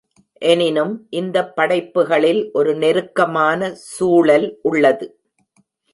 எனினும், இந்தப் படைப்புகளில் ஒரு நெருக்கமான சூழல் உள்ளது.